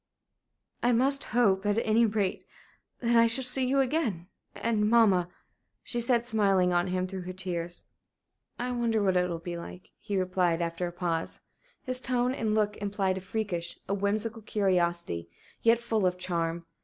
"I must hope, at any rate, that I shall see you again and mamma," she said, smiling on him through her tears. "I wonder what it will be like," he replied, after a pause. His tone and look implied a freakish, a whimsical curiosity, yet full of charm.